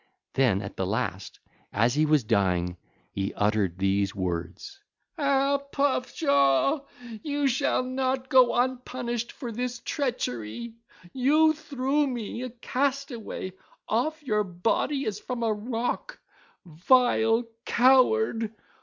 Then at the last, as he was dying, he uttered these words. (ll. 93 98) 'Ah, Puff jaw, you shall not go unpunished for this treachery! You threw me, a castaway, off your body as from a rock. Vile coward!